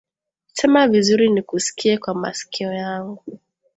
Sema vizuri nikuskie kwa masikio yangu